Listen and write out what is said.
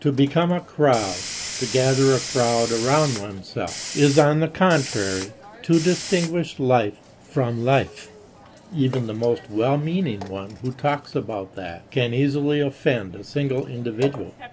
To become a crowd, to gather a crowd around oneself, is on the contrary to distinguish life from life; even the most well meaning one who talks about that, can easily offend a single individual.